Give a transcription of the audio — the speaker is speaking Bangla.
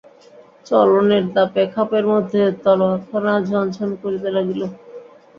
চলনের দাপে খাপের মধ্যে তলোয়ারখানা ঝনঝন করিতে লাগিল।